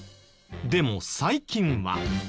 でも最近は。